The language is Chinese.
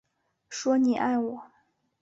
说你爱我